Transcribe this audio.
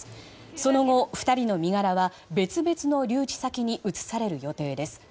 その後、２人の身柄は別々の留置先に移される予定です。